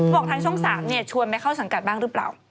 บอกทางช่อง๓ชวนไปเข้าสังกัดบ้างหรือเปล่า